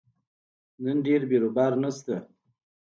نن ډېر بیروبار نشته